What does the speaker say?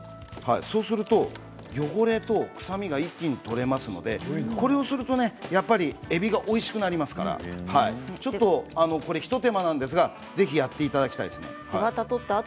そうすると汚れと臭みが一気に取れますのでこれをするとえびがおいしくなりますからちょっと、一手間なんですがぜひやっていただきたいですね。